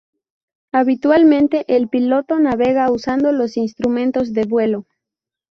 Habitualmente, el piloto navega usando los instrumentos de vuelo.